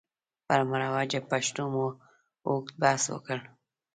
پر مروجه پښتو مو اوږد بحث وکړ.